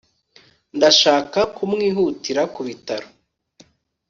ndashaka kumwihutira ku bitaro